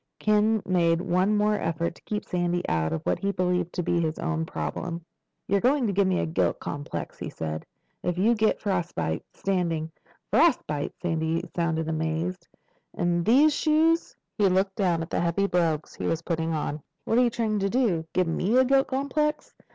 Ken made one more effort to keep Sandy out of what he believed to be his own problem. "You're going to give me a guilt complex," he said. "If you get frostbite, standing—" "Frostbite?" Sandy sounded amazed. "In these shoes?" He looked down at the heavy brogues he was putting on. "What are you trying to do? Give me a guilt complex?